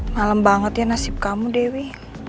malam banget ya nasib kamu dewi